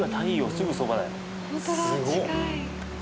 すごっ。